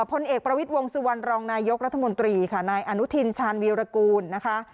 พลเอกประวิทย์วงสุวรรณรองนายกรัฐมนตรีค่ะนายอนุทินชาญวีรกูลนะคะ